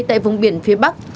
tại vùng biển phía bắc